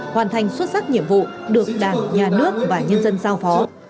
hoàn thành xuất sắc nhiệm vụ được đảng nhà nước và nhân dân giao phó